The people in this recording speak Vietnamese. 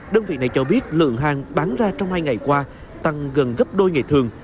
đơn vị này cho biết lượng hàng bán ra trong hai ngày qua tăng gần gấp đôi ngày thường